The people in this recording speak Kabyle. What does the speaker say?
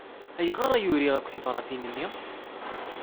Ayɣer ay uriɣ akk tibṛatin-nni?